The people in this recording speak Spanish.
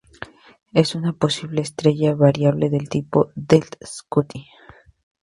Es una posible estrella variable del tipo Delta Scuti.